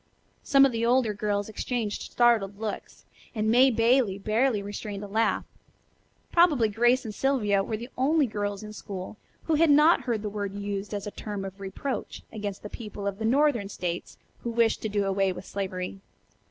Some of the older girls exchanged startled looks, and May Bailey barely restrained a laugh. Probably Grace and Sylvia were the only girls in school who had not heard the word used as a term of reproach against the people of the northern states who wished to do away with slavery.